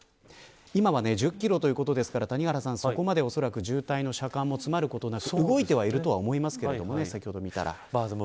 今は１０キロということですからそこまで渋滞の車間も詰まることなく動いてはいると思いますけれどもね。